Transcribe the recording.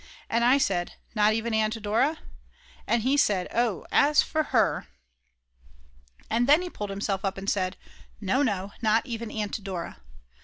And I said: "Not even Aunt Dora?" And he said: "Oh, as for her " And then he pulled himself up and said: "No, no, not even Aunt Dora."